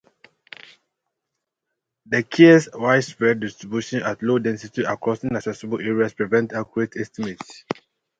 The kea's widespread distribution at low density across inaccessible areas prevents accurate estimates.